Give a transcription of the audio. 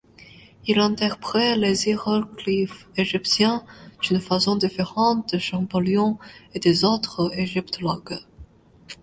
Il interprète les hiéroglyphes égyptiens d'une façon différente de Champollion et des autres égyptologues.